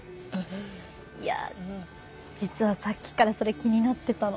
いや実はさっきからそれ気になってたの。